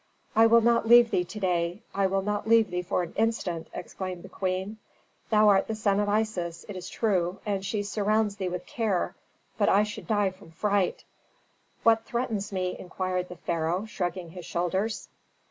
"I will not leave thee to day, I will not leave thee for an instant!" exclaimed the queen. "Thou art the son of Isis, it is true, and she surrounds thee with care. But I should die from fright." "What threatens me?" inquired the pharaoh, shrugging his shoulders.